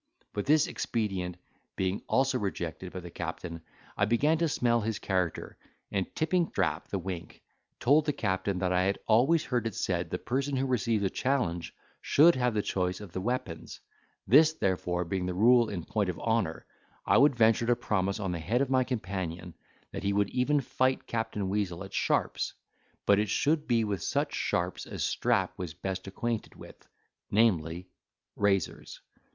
But this expedient being also rejected by the captain, I began to smell his character, and, tipping Strap the wink, told the captain that I had always heard it said, the person who receives a challenge should have the choice of the weapons; this therefore being the rule in point of honour, I would venture to promise on the head of my companion, that he would even fight Captain Weazel at sharps; but it should be with such sharps as Strap was best acquainted with, namely, razors.